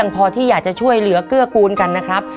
พอที่อยากจะช่วยเหลือเกื้อกูลกันนะครับ